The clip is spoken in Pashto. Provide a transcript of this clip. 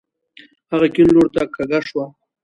هغه کيڼ لورته کږه شوه.